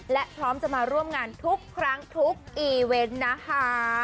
และพร้อมจะมาร่วมงานทุกครั้งทุกอีเวนต์นะคะ